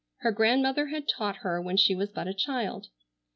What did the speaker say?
Her grandmother had taught her when she was but a child.